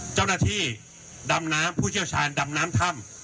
เจ้าหน้าที่ดำน้ำผู้เชี่ยวชาญดำน้ำถ้ำ